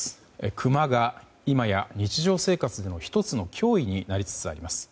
クマが今や日常生活の１つの脅威になりつつあります。